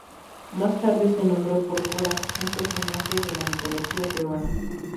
Más tarde se nombró por Cora, un personaje de la mitología peruana.